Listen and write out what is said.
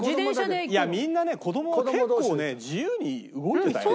みんなね子供は結構ね自由に動いてたよ。